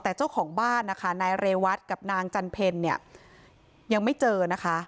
แต่เจ้าของบ้านนะคะนายเรวัตกับนางจันเพลเนี่ยยังไม่เจอนะคะ